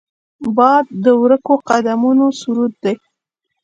باد د ورکو قدمونو سرود دی